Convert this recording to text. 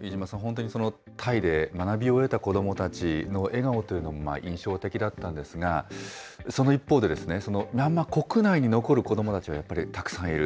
飯島さん、本当にタイで学びを得た子どもたちの笑顔というのも印象的だったんですが、その一方でですね、ミャンマー国内に残る子どもたちはやっぱりたくさんいる。